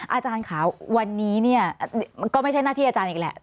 อาจารย์ค่ะวันนี้เนี่ยก็ไม่ใช่หน้าที่อาจารย์อีกแหละ